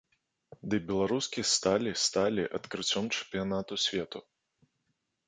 Дый беларускі сталі сталі адкрыццём чэмпіянату свету.